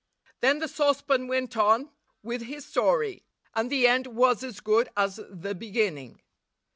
Then the saucepan went on with his story, and the end was as good as the beginning.